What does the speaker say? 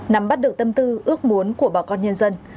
nắm bắt được tâm tư ước muốn của bà con nhân dân